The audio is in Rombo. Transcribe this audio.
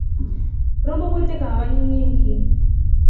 Rombo kwete kahawa nyingʼingi.